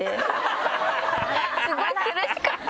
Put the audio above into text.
スゴい苦しかった。